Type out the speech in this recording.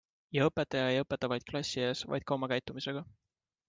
Ja õpetaja ei õpeta vaid klassi ees, vaid ka oma käitumisega.